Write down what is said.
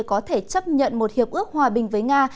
có thể chấp nhận một hiệp ước hòa bình với nga